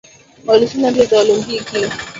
Walishinda mbio za olimpiki